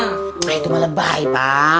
nah itu melebahi pak